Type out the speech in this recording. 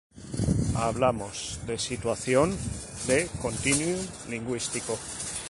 Hablamos de situación de continuum lingüístico.